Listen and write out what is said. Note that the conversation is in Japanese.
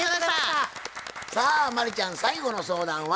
さあ真理ちゃん最後の相談は？